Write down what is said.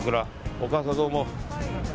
お母さん、どうも。